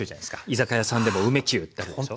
居酒屋さんでも梅きゅうってあるでしょ。